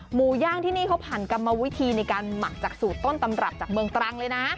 หมูย่างที่นี่เขาผ่านกรรมวิธีในการหมักจากสูตรต้นตำรับจากเมืองตรังเลยนะ